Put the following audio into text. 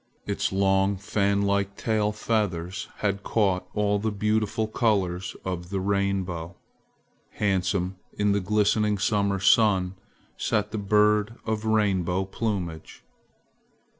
Its long fan like tail feathers had caught all the beautiful colors of the rainbow. Handsome in the glistening summer sun sat the bird of rainbow plumage.